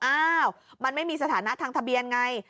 อ้าวมันไม่มีสถานะทางทะเบียนไง